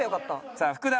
さあ福田